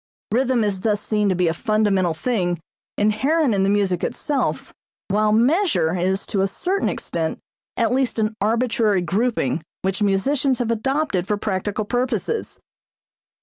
Rhythm is thus seen to be a fundamental thing, inherent in the music itself, while measure is to a certain extent at least an arbitrary grouping which musicians have adopted for practical purposes.